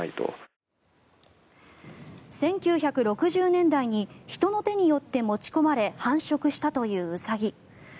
１９６０年代に人の手によって持ち込まれ繁殖したというウサギ。